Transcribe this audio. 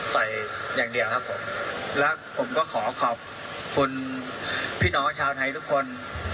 อย่างเดียวครับผมและผมก็ขอขอบคุณพี่น้องชาวไทยทุกคน